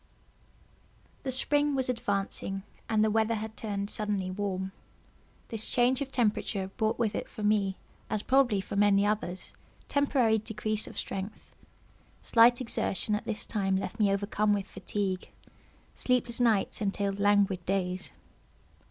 The spring was advancing, and the weather had turned suddenly warm. This change of temperature brought with it for me, as probably for many others, temporary decrease of strength. Slight exertion at this time left me overcome with fatigue—sleepless nights entailed languid days.